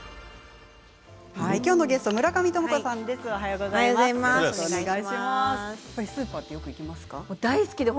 きょうのゲストは村上知子さんです。